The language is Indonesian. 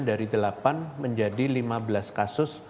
dari delapan menjadi lima belas kasus